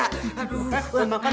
aduh lo makan